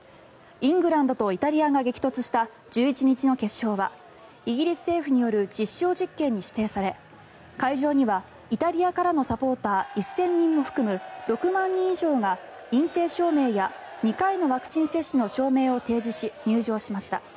イングランドとイタリアが激突した１１日の決勝はイギリス政府による実証実験に指定され会場にはイタリアからのサポーター１０００人も含む６万人以上が陰性証明や２回のワクチン接種の証明を提示し入場しました。